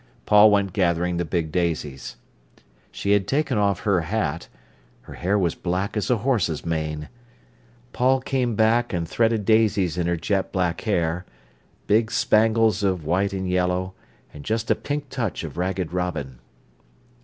Paul went gathering the big daisies. She had taken off her hat; her hair was black as a horse's mane. Paul came back and threaded daisies in her jet black hair—big spangles of white and yellow, and just a pink touch of ragged robin.